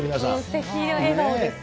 すてきな笑顔です。